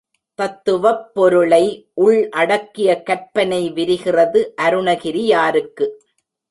தத்துவப் பொருளை உள் அடக்கிய கற்பனை விரிகிறது அருணகிரியாருக்கு.